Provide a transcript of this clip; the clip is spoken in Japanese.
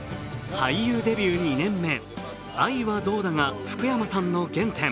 俳優デビュー２年目「愛はどうだ」が福山さんの原点。